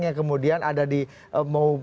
yang kemudian ada di mau